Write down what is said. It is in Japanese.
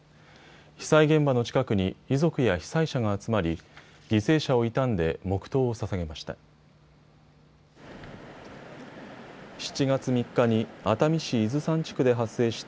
被災現場の近くに遺族や被災者が集まり犠牲者を悼んで黙とうをささげました。